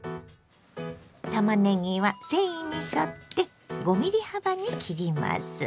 たまねぎは繊維に沿って５ｍｍ幅に切ります。